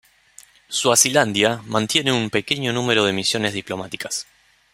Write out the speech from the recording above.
Suazilandia mantiene un pequeño número de misiones diplomáticas.